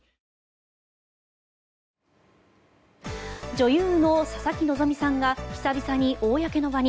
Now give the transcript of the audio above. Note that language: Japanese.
女優の佐々木希さんが久々に公の場に。